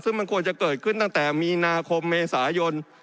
ซึ่งมันควรจะเกิดขึ้นตั้งแต่มีนาคมเมษายน